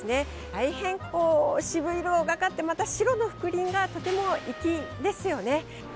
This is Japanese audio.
大変、渋色がかってまた白の覆輪がとても粋ですよね。